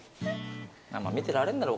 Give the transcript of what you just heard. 見てられんだろう